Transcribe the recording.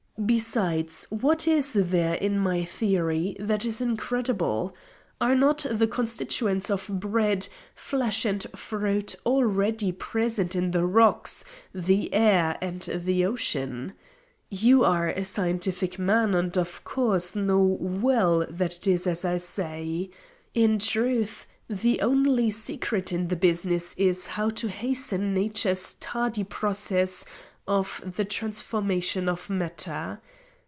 Besides, what is there in my theory that is incredible? Are not the constituents of bread, flesh and fruit already present in the rocks, the air and the ocean? You are a scientific man and, of course, know well that it is as I say. In truth, the only secret in the business is how to hasten Nature's tardy process of the transformation of matter.